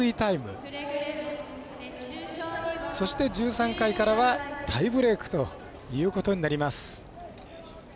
そして、１３回からはタイブレークということになります。